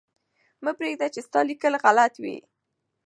مه پرېږده چې ستا لیکل غلط وي.